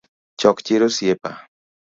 Chok chir osiepa.